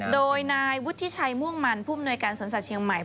โดยนายวุฒิชัยม่วงมันผู้มนวยการสวนสัตว์เชียงใหม่